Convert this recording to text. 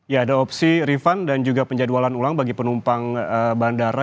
ya ada opsi refund dan juga penjadwalan ulang bagi penumpang bandara